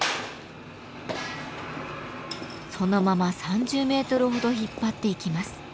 そのまま３０メートルほど引っ張っていきます。